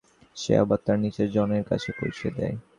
সে আবার তার নিচের জনের কাছে পৌঁছিয়ে দেয়।